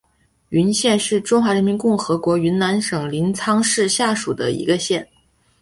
云县是中华人民共和国云南省临沧市下属的一个县。